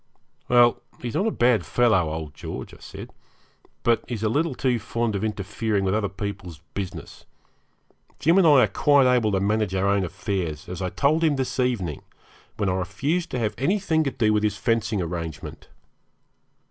'Well, he's not a bad fellow, old George,' I said, 'but he's a little too fond of interfering with other people's business. Jim and I are quite able to manage our own affairs, as I told him this evening, when I refused to have anything to do with his fencing arrangement.'